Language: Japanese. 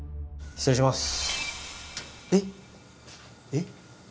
失礼します。